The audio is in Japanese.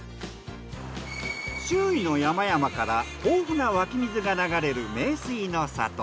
周囲の山々から豊富な湧き水が流れる名水の里。